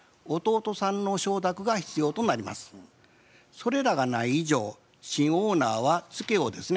それらがない以上新オーナーはツケをですね